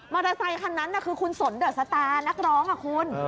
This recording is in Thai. อเตอร์ไซคันนั้นคือคุณสนเดอะสตาร์นักร้องคุณ